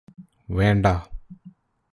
വേണ്ടാ